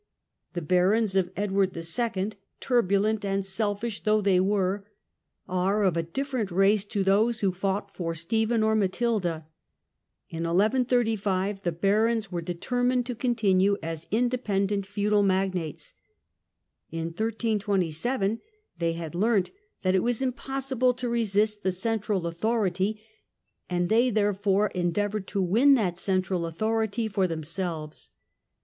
The barons of Edward II., turbulent and selfish Th« though they are, are of a different lace to Baronage, those who fought for Stephen or Matilda. In 1135 the barons were determined to continue as independent feudal magnates; in 1327 they had learnt that it was impossible to resist the central authority, and they therefore endeav oured to win that central authority for themselves.